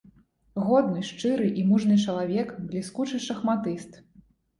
Годны, шчыры і мужны чалавек, бліскучы шахматыст.